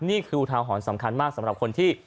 นี่คือท้าวหอนสำคัญมากสำหรับคนที่